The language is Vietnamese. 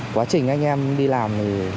quá trình anh em đi làm